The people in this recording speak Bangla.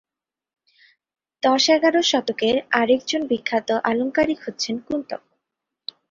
দশ-এগারো শতকের আর একজন বিখ্যাত আলঙ্কারিক হচ্ছেন কুন্তক।